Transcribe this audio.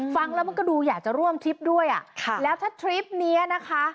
ฟังแล้วมันก็ดูอยากจะร่วมทริปด้วยอ่ะค่ะแล้วถ้าทริปเนี้ยนะคะ